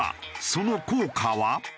その効果は？